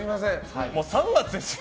もう３月ですよ。